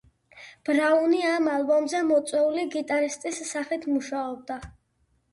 ბრაუნი ამ ალბომზე მოწვეული გიტარისტის სახით მუშაობდა.